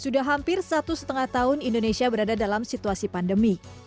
sudah hampir satu setengah tahun indonesia berada dalam situasi pandemi